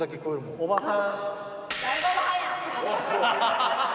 おばさん。